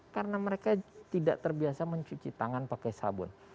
karena mereka tidak terbiasa mencuci tangan pakai sabun